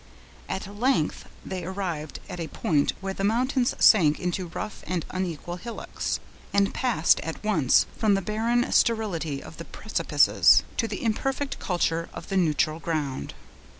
At length they arrived at a point where the mountains sank into rough and unequal hillocks, and passed at once from the barren sterility of the precipices, to the imperfect culture of the neutral ground.